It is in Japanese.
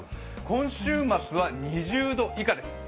今週末は２０度以下です。